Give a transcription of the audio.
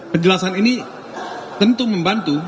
penjelasan ini tentu membantu